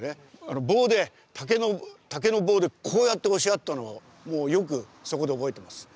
棒で竹の棒でこうやって押しやったのをもうよくそこで覚えています。